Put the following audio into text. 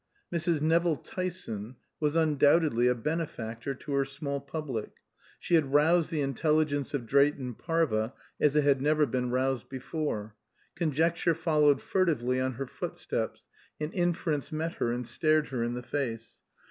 Mrs. Nevill Tyson was undoubtedly a benefactor to her small public. She had roused the intelligence of Drayton Parva as it had never been roused before. Conjecture followed furtively on her footsteps, and inference met her and stared her in the face.